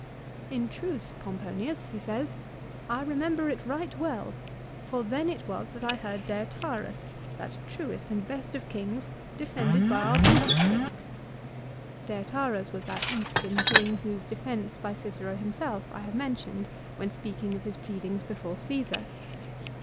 " In truth, Pomponius," he says, " I remember it right well, for then it was that I heard Deiotarus, that truest and best of kings, defended by our Brutus here." Deiotarus was that Eastern king, whose defence by Cicero himself I have men tioned when speaking of his pleadings before Caesar.